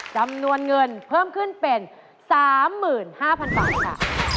จำนวนเงินเพิ่มขึ้นเป็น๓๕๐๐๐บาทค่ะ